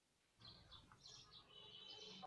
এসব করেই আলিয়ার অতিথিদের অভিবাদন জানায় এডি।